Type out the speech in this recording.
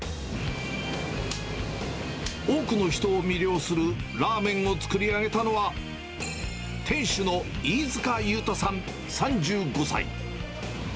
多くの人を魅了するラーメンを作り上げたのは、店主の飯塚祐太さん３５歳。